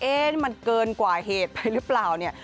มันเกินกว่าเหตุไปหรือเปล่าเนี่ย